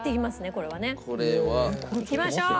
これは。いきましょう！